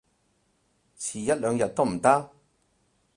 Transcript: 遲一兩日都唔得？